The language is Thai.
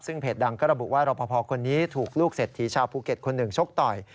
ซึ่งเพจดังก็ระบุว่ารอปภคนนี้ถูกลูกเศรษฐีชาวภูเก็ตคนหนึ่งชกต่อย